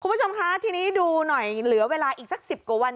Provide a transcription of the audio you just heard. คุณผู้ชมคะทีนี้ดูหน่อยเหลือเวลาอีกสัก๑๐กว่าวัน